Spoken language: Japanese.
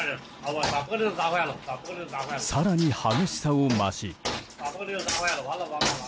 更に、激しさを増し。